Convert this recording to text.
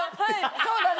そうだね。